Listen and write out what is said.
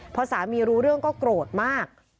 พอสามีรู้เรื่องก็โกรธมาก